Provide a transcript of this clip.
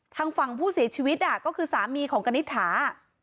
ทางฝั่งผู้เสียชีวิตก็คือสามีของกณิตถา